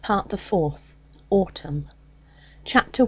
PART THE FOURTH AUTUMN CHAPTER I.